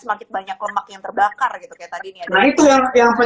semakin banyak lemak yang terbakar